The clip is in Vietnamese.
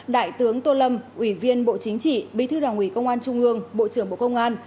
đại tướng tô lâm ủy viên bộ chính trị bí thư đảng ủy công an trung ương bộ trưởng bộ công an